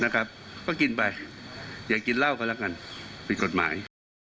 ก็กินไปอย่ากินเหล้าก็แล้วกันผิดกฎหมาย